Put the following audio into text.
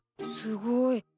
すごい。